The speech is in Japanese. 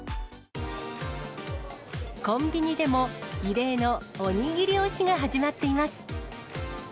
コンビニでも異例のおにぎり推しが始まっています。